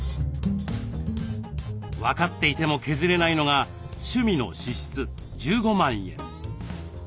分かっていても削れないのが趣味の支出１５万円。